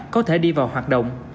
có thể đi vào hoạt động